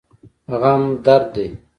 غم درد دی.